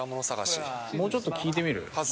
もうちょっと聞いてみる？